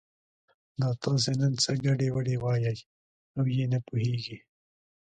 دا تاسې نن څه ګډې وډې وایئ او یې نه پوهېږي.